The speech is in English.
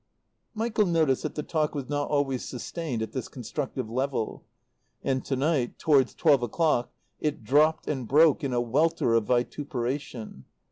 Michael noticed that the talk was not always sustained at this constructive level. And to night, towards twelve o'clock, it dropped and broke in a welter of vituperation.